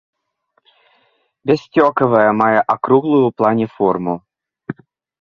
Бяссцёкавае, мае акруглую ў плане форму.